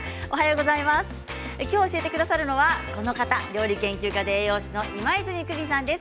今日、教えてくださるのはこの方、料理研究家で栄養士の今泉久美さんです。